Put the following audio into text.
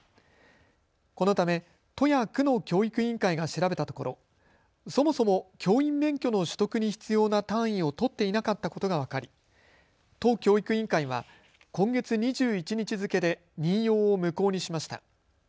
このため都や区の教育委員会が調べたところそもそも教員免許の取得に必要な単位を取っていなかったことが分かり都教育委員会は今月２１日付けで任用を無効にしました。